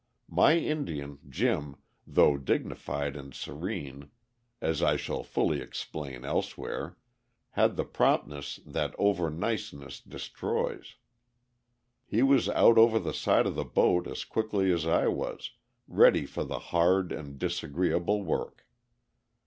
My Indian, Jim, though dignified and serene, as I shall fully explain elsewhere, had the promptness that over niceness destroys. He was out over the side of the boat as quickly as I was, ready for the hard and disagreeable work.